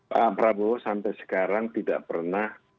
pak prabowo sampai sekarang tidak pernah